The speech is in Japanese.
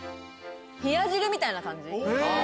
冷や汁みたいな感じ？